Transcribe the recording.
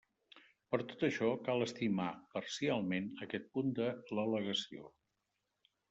Per tot això, cal estimar parcialment aquest punt de l'al·legació.